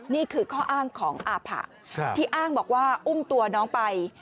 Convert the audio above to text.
นี่คือข้ออ้างของอาผะที่อ้างบอกว่าอุ้มตัวน้องไป